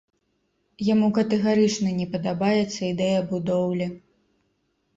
Яму катэгарычна не падабаецца ідэя будоўлі.